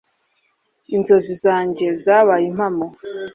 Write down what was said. Inzozi zanjye zabaye impamo